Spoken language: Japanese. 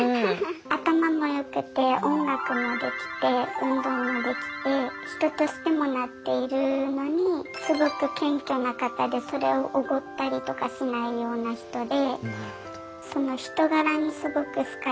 頭もよくて音楽もできて運動もできて人としてもなっているのにすごく謙虚な方でそれをおごったりとかしないような人で。